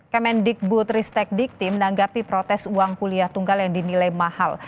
kemendikbud ristek dikti menanggapi protes uang kuliah tunggal yang dinilai mahal